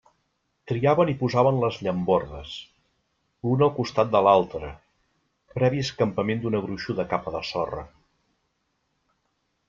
Triaven i posaven les llambordes, l'una al costat de l'altra, previ escampament d'una gruixuda capa de sorra.